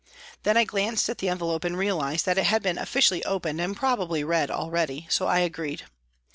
Then I glanced at the envelope and realised that it had been officially opened and probably read already. So I agreed.